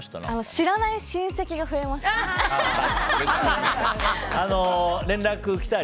知らない親戚が増えました。